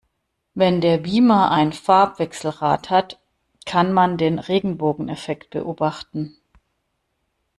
Wenn der Beamer ein Farbwechselrad hat, kann man den Regenbogeneffekt beobachten.